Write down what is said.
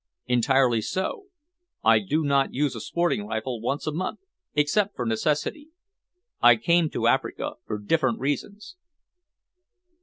"Entirely so. I do not use a sporting rifle once a month, except for necessity. I came to Africa for different reasons."